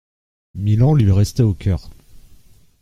Milan lui restait au coeur.